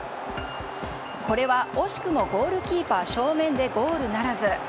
これは惜しくもゴールキーパー正面でゴールならず。